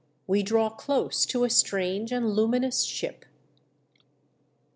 WE DRAW CLOSE TO A STRANGE AND LUMINOUS SHIP.